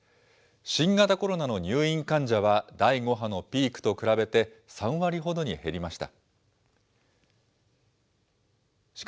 新型コロナの入院患者は第５波のピークと比べて３割ほどに減りました。